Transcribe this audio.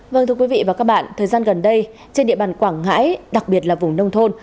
vâng thưa quý vị và các bạn thời gian gần đây trên địa bàn quảng ngãi đặc biệt là vùng nông thôn